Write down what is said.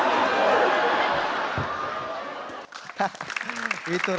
namar tiga pak jokowi